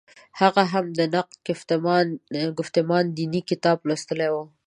هغه هم «نقد ګفتمان دیني» کتاب لوستلی و.